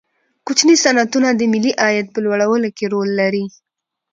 کوچني صنعتونه د ملي عاید په لوړولو کې رول لري.